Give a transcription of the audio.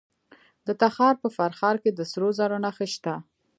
د تخار په فرخار کې د سرو زرو نښې شته.